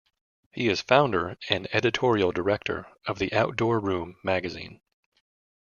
He is founder and Editorial Director of "The Outdoor Room" magazine.